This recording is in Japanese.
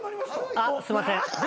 あっすいません。